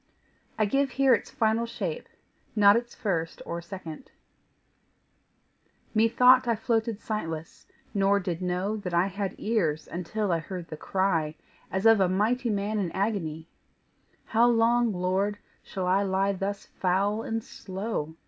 I give here its final shape, not its first or second: Methought I floated sightless, nor did know That I had ears until I heard the cry As of a mighty man in agony: "How long, Lord, shall I lie thus foul and slow?